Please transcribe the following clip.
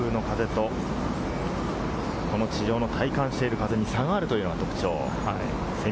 上空の風と地上の体感してる風に差があるというのが特徴。